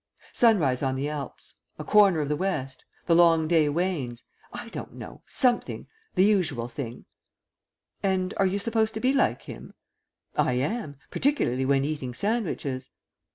"'Sunrise on the Alps,' 'A Corner of the West,' 'The Long Day Wanes' I don't know. Something. The usual thing." "And are you supposed to be like him?" "I am. Particularly when eating sandwiches."